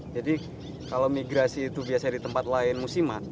jadi kalau migrasi itu biasa di tempat lain musiman